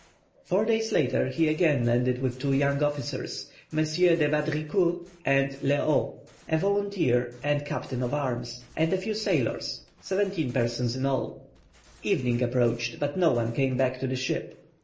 Four days later he again landed with two young officers, MM. de Vaudricourt and Le Houx, a volunteer and captain of arms, and a few sailors, seventeen persons in all. Evening approached, but no one came back to the ship.